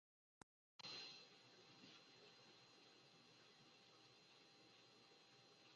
Estudió en el Instituto Nacional, en Santiago.